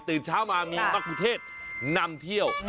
ตื่นเช้ามามีมรรคประเทศนำเที่ยว